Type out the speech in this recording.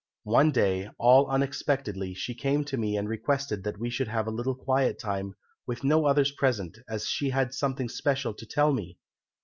One day, all unexpectedly, she came to me and requested that we should have a little quiet time, with no others present, as she had something special to tell me.